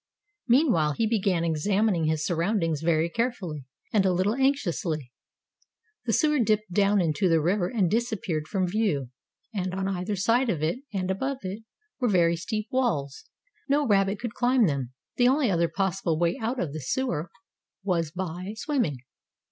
Meanwhile, he began examining his surroundings very carefully, and a little anxiously. The sewer dipped down into the river and disappeared from view, and on either side of it, and above it, were very steep walls. No rabbit could climb them. The only other possible way out of the sewer was by swimming.